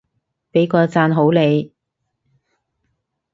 畀個讚好你